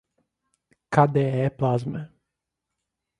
kde plasma